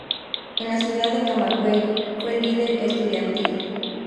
En la ciudad de Camagüey fue líder estudiantil.